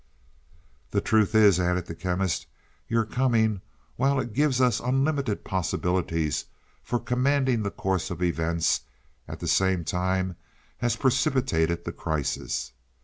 "The truth is," added the Chemist, "your coming, while it gives us unlimited possibilities for commanding the course of events, at the same time has precipitated the crisis.